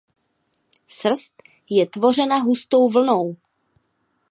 Srst je tvořena hustou vlnou.